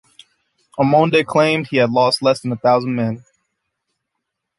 Ormonde claimed he had lost less than a thousand men.